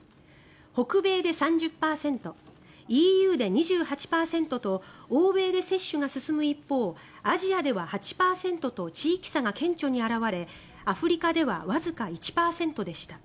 北米で３０％、ＥＵで２８％と欧米で接種が進む一方アジアでは８％と地域差が顕著に表れアフリカではわずか１％でした。